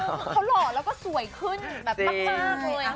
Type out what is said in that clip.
คือเขาหล่อแล้วก็สวยขึ้นแบบมากเลย